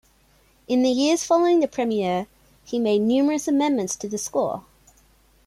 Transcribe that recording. In the years following the premiere, he made numerous amendments to the score.